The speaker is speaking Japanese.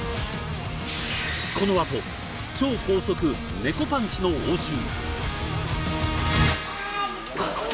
このあと超高速ネコパンチの応酬。